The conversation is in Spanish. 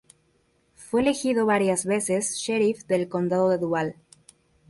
Fue elegido varias veces sheriff del condado de Duval.